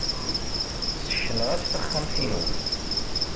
Ssekneɣ-as taxxamt-inu.